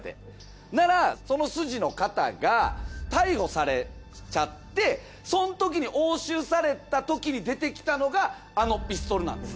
そしたらその筋の方が逮捕されちゃってそんときに押収されたときに出てきたのがあのピストルなんです。